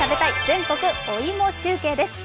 全国お芋中継」です。